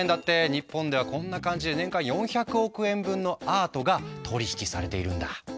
日本ではこんな感じで年間４００億円分のアートが取り引きされているんだ。